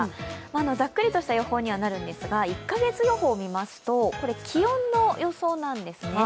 ざっくりとした予報にはなるんですが、１か月予報見ますとこれ気温の予想なんですね。